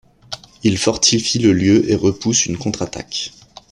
Il fortifie le lieu et repousse une contre-attaque.